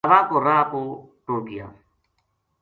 دراوا کو راہ پو ٹُر گیا